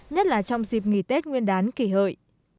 nhất là trong dịp nghỉ tết nguyên đán kỷ hợi